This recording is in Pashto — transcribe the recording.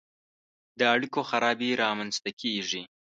د اړیکو خرابي رامنځته کیږي.